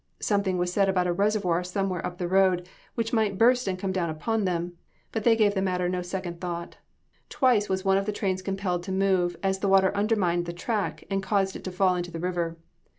Something was said about a reservoir somewhere up the road, which might burst and come down upon them, but they gave the matter no second thought. Twice was one of the trains compelled to move, as the water undermined the track, and caused it to fall into the river.